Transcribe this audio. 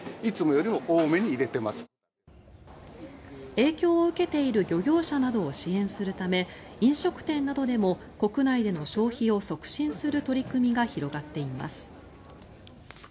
影響を受けている漁業者などを支援するため飲食店などでも国内での消費を促進する取り組みが広がっています。